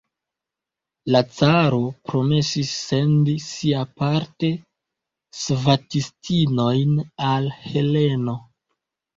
La caro promesis sendi siaparte svatistinojn al Heleno.